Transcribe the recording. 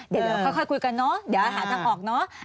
เดี๋ยวค่อยคุยกันเนาะเดี๋ยวหาทางออกเนอะ